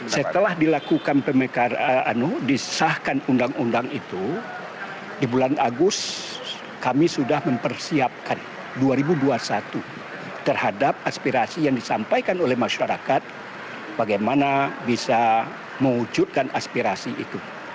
setelah dilakukan disahkan undang undang itu di bulan agustus kami sudah mempersiapkan dua ribu dua puluh satu terhadap aspirasi yang disampaikan oleh masyarakat bagaimana bisa mewujudkan aspirasi itu